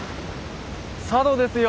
佐渡ですよ。